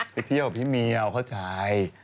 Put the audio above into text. ไปเที่ยวกับพี่เมียวเข้าใจ